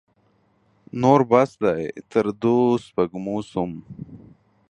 نور بس دی؛ تر دوو سپږمو سوم.